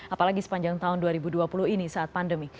apalagi sepanjang tahun dua ribu dua puluh ini saat pandemi